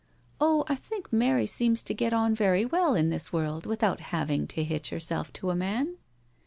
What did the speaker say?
" Oh, I think Mary seems to get on very well in this world without having to hitch herself to a man.